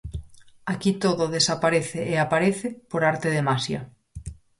Aquí todo desaparece e aparece por arte de maxia.